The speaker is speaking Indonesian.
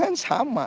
ya kan sama